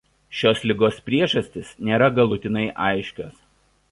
Šios ligos priežastys nėra galutinai aiškios.